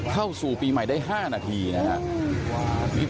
เข้าสู่ปีใหม่ได้๕นาทีนะครับ